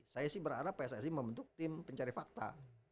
saya sih berharap pssi membentuk tim pencari fakta